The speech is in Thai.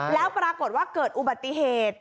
แล้วปรากฏว่าเกิดอุบัติเหตุ